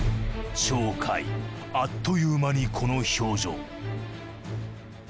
鳥海あっという間にこの表情。